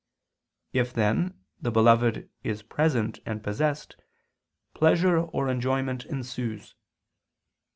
If, then, the beloved is present and possessed, pleasure or enjoyment ensues.